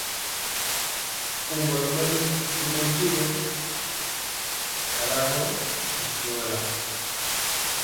Kombolo mɛlu y ŋatyegɔ dalagɔ bishuaŋa.